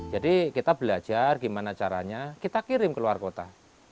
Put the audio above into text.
jadi kita belajar gimana caranya kita kirim ke luar kota